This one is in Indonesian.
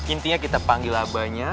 intinya kita panggil abahnya